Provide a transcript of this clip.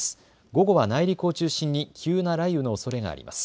午後は内陸を中心に急な雷雨のおそれがあります。